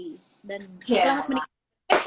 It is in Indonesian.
dan selamat menikmati